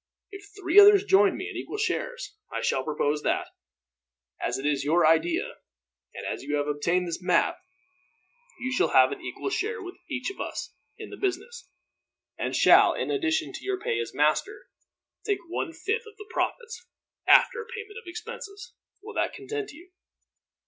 If three others join me, in equal shares, I shall propose that, as it is your idea, and as you have obtained this map, you shall have an equal share with each of us in the business; and shall, in addition to your pay as master, take one fifth of the profits, after payment of expenses. Will that content you?"